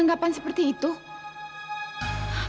saya udah di tienes ini kan